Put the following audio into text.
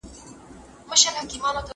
ويل کيږي چي دوی حرفوي کسان کار ته وهڅول.